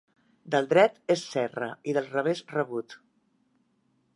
Del dret és cerra i del revés rebut.